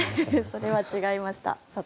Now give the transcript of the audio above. それは違いました。